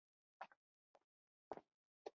د مرغۍ وزر د باغ په ګل وښویېد.